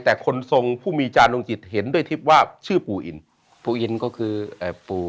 แต่คนทรงผู้มีจานลงจิตเห็นด้วยทิพย์ว่าชื่อปู่อินปู่อินก็คือปู่